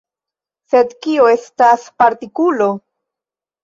Sed kio estas partikulo?